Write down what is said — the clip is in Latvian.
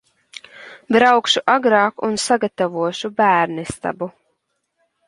Braukšu agrāk un sagatavošu bērnistabu.